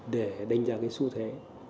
để đánh giá cái xu thế